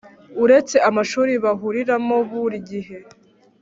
Uretse amashuri bahuriramo burigihe